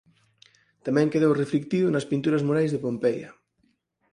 Tamén quedou reflictido nas pinturas murais de Pompeia.